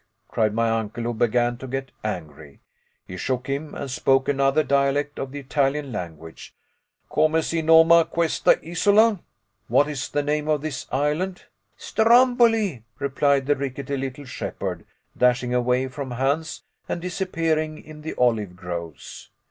cried my uncle, who began to get angry. He shook him, and spoke another dialect of the Italian language. "Come si noma questa isola?" "What is the name of this island?" "Stromboli," replied the rickety little shepherd, dashing away from Hans and disappearing in the olive groves.